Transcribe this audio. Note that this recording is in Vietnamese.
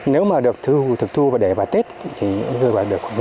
nếu mà được thực thu và để vào tết thì rơi vào được khoảng năm trăm linh cây